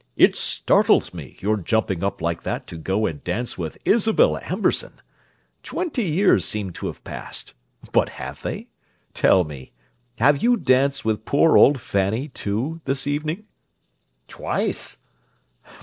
"It startles me, your jumping up like that to go and dance with Isabel Amberson! Twenty years seem to have passed—but have they? Tell me, have you danced with poor old Fanny, too, this evening?" "Twice!"